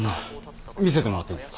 見せてもらっていいですか？